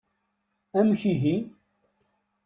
Amek ihi!